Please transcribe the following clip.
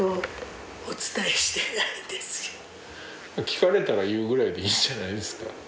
聞かれたら言うぐらいでいいんじゃないですか？